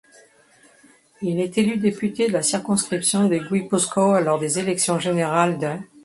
Il est élu député de la circonscription du Guipuscoa lors des élections générales d'.